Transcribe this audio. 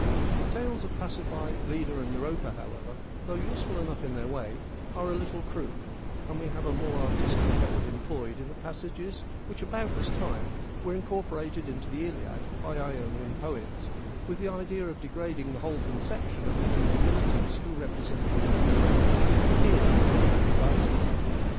THE IONIANS AND HESIOD 19 The tales of Pasiphae, Leda, and Europa, however, though useful enough in their way, are a little crude, and we have a more artistic method employed in the passages which about this time were incorporated into the Iliad by Ionian poets, with the idea of degrading the whole conception of the two divinities who represent womanly love, Hera and Aphrodite.